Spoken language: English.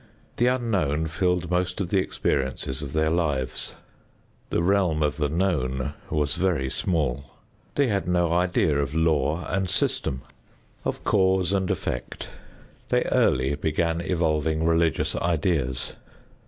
The unknown filled most of the experiences of their lives. The realm of the known was very small. They had no idea of law and system, of cause and effect. They early began evolving religious ideas.